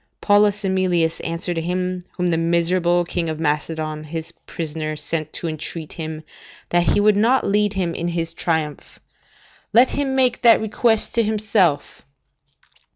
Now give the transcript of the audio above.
Paulus Emilius answered him whom the miserable King of Macedon, his prisoner, sent to entreat him that he would not lead him in his triumph, "Let him make that request to himself."